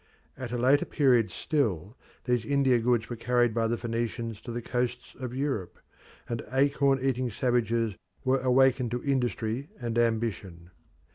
At a later period still these India goods were carried by the Phoenicians to the coasts of Europe, and acorn eating savages were awakened to industry and ambition.